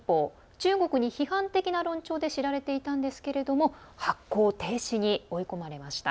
中国に批判的な論調で知られていたんですけれども発行停止に追い込まれました。